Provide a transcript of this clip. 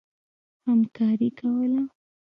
همکاري کوله.